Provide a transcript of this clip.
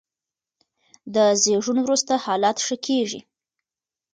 د زېږون وروسته حالت ښه کېږي.